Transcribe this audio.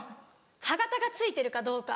歯形がついてるかどうか。